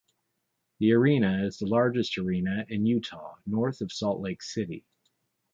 The arena is the largest arena in Utah north of Salt Lake City.